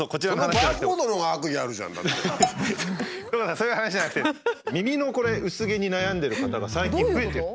そういう話じゃなくて耳のこれ薄毛に悩んでる方が最近増えてる。